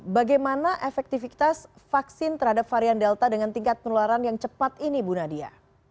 bagaimana efektivitas vaksin terhadap varian delta dengan tingkat penularan yang cepat ini bu nadia